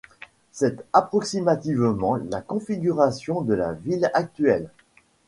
C'est approximativement la configuration de la ville actuelle.